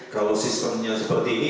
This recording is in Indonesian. kalau sistemnya seperti ini